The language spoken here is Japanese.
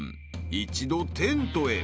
［一度テントへ］